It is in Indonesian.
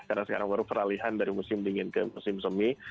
karena sekarang baru peralihan dari musim dingin ke musim semi